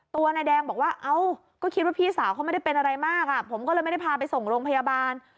ตัวนายแดงบอกว่าเอ้าก็คิดว่าพี่สาวเขาไม่ได้เป็นอะไรมากอ่ะผมก็เลยไม่ได้พาไปส่งโรงพยาบาล